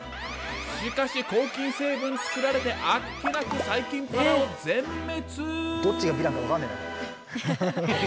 しかし抗菌成分作られてあっけなく細菌パラオ全滅。